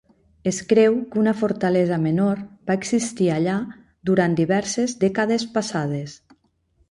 Es creu que una fortalesa menor va existir allà durant diverses dècades passades.